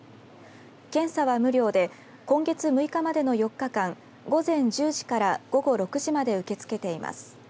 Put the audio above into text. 検査は無料で今月６日までの４日間午前１０時から午後６時まで受け付けています。